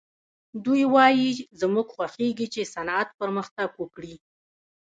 دوی وايي زموږ خوښېږي چې صنعت پرمختګ وکړي